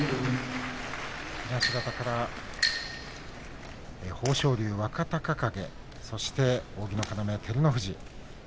東方から豊昇龍、若隆景そして扇の要照ノ富士です。